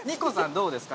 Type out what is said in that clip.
どうですか？